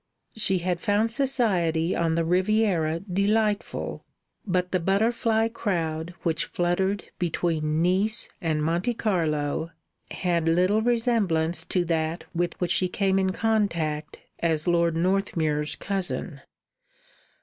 She had found society on the Riviera delightful, but the butterfly crowd which fluttered between Nice and Monte Carlo had little resemblance to that with which she came in contact as Lord Northmuir's cousin.